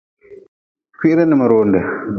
Kwiri n mionde.